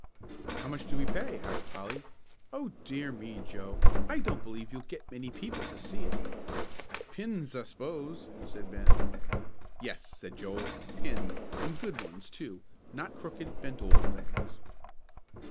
"How much do we pay?" asked Polly. "O dear me, Joe, I don't b'lieve you'll get many people to see it." "Pins, I s'pose," said Ben. "Yes," said Joel, "pins, an' good ones, too, not crooked, bent old things."